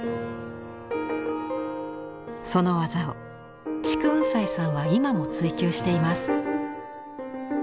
その技を竹雲斎さんは今も追求しています。